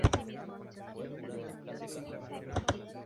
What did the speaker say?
Su equipo actual es Mushuc Runa de la Serie A de Ecuador.